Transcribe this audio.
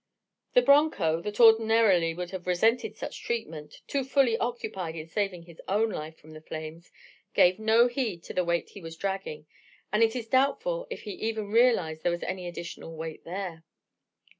The broncho, that ordinarily would have resented such treatment, too fully occupied in saving his own life from the flames, gave no heed to the weight he was dragging, and it is doubtful if he even realized there was any additional weight there.